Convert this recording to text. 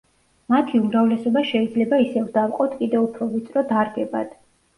მათი უმრავლესობა შეიძლება ისევ დავყოთ კიდევ უფრო ვიწრო დარგებად.